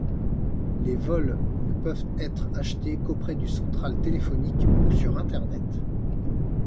Les vols ne peuvent être achetés qu'auprès du central téléphonique ou sur Internet.